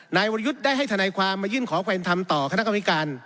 นายวรยุทธ์ได้ให้ทนายความมายื่นขอความเป็นธรรมต่อคณะกรรมการ